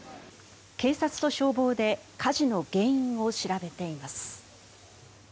警察と消防で火事の原因を調べています。